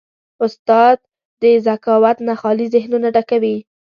استاد د ذکاوت نه خالي ذهنونه ډکوي.